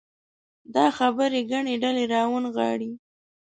دا خبرې ګڼې ډلې راونغاړي.